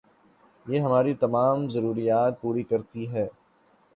یہ ہماری تمام ضروریات پوری کرتی ہے